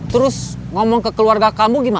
terus ngomong ke keluarga kamu gimana